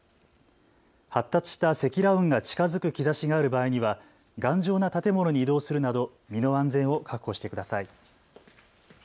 発達した積乱雲が近づく兆しがある場合には頑丈な建物に移動するなど身の安全を確保してください。